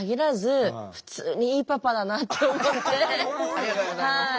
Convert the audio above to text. ありがとうございます。